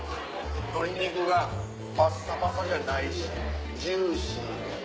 鶏肉がパッサパサじゃないしジューシーで。